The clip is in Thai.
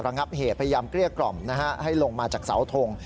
งับเหตุพยายามเกลี้ยกล่อมนะฮะให้ลงมาจากเสาทง